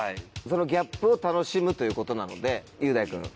そのギャップを楽しむということなので雄大君。